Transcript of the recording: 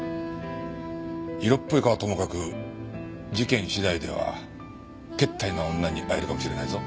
色っぽいかはともかく事件次第ではけったいな女に会えるかもしれないぞ。